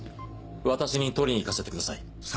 私に取りに行かせてください。